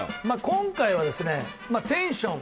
今回はですねテンション